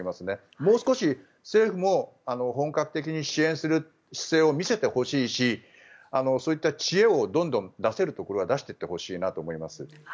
もう少し政府も本格的に支援する姿勢を見せてほしいしそういった知恵をどんどん出せるところは出していってほしいなと思います。